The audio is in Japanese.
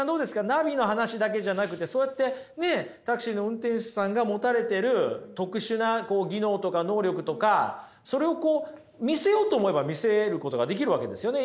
ナビの話だけじゃなくてそうやってタクシーの運転手さんが持たれてる特殊な技能とか能力とかそれを見せようと思えば見せることができるわけですよね。